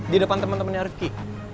di depan temen temennya riffky